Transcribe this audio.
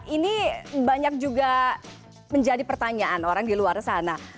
ini banyak juga menjadi pertanyaan orang di luar sana